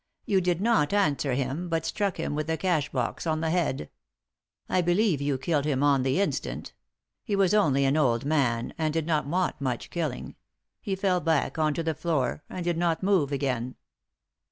You did not answer him, but struck him with the cash box on the head. I believe you killed him on the instant ; he was only an old man, and did not want much killing — he fell back on to the floor, and did not move again.